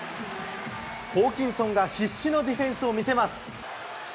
ホーキンソンが必死のディフェンスを見せます。